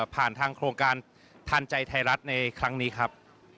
ผ่านทางโครงการทานใจไทยรัฐในครั้งนี้ครับ